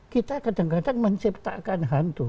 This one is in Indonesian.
kita kadang kadang menciptakan hantu